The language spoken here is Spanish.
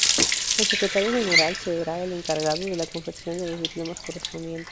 El Secretario General será el encargado de la confección de los diplomas correspondientes.